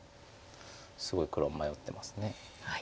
すごい黒迷ってます。